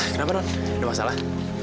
kenapa non ada masalah